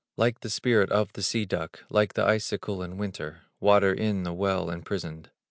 Like the spirit of the sea duck, Like the icicle in winter, Water in the well imprisoned.